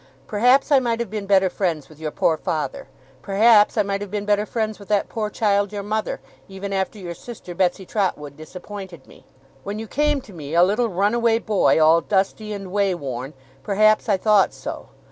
Perhaps I might have been better friends with your poor father. Perhaps I might have been better friends with that poor child your mother, even after your sister Betsey Trotwood disappointed me. When you came to me, a little runaway boy, all dusty and way worn, perhaps I thought so.